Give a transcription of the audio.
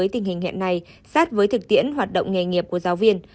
phù hợp với tình hình hiện nay sát với thực tiễn hoạt động nghề nghiệp của giáo viên